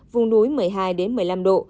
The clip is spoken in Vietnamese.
vùng núi một mươi hai một mươi năm độ